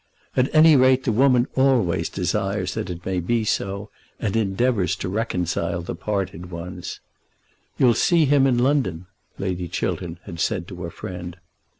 At any rate, the woman always desires that it may be so, and endeavours to reconcile the parted ones. "You'll see him in London," Lady Chiltern had said to her friend.